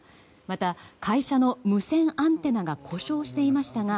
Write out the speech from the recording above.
また、会社の無線アンテナが故障していましたが